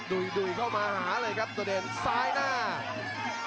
ประโยชน์ทอตอร์จานแสนชัยกับยานิลลาลีนี่ครับ